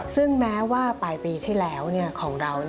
ซึ่งแม้ว่าปลายปีที่แล้วของเรา